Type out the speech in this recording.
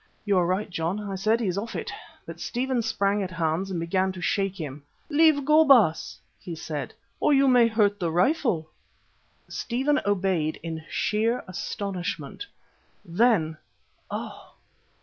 "You are right, John," I said, "he's off it"; but Stephen sprang at Hans and began to shake him. "Leave go, Baas," he said, "or you may hurt the rifle." Stephen obeyed in sheer astonishment. Then, oh!